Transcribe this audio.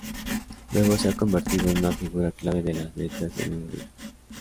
Luego, se ha convertido en una figura clave de las letras en Hungría.